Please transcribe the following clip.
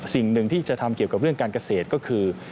สิ่งหนึ่งที่จะทำเกี่ยวกับเรื่องการเกษตรก็คือ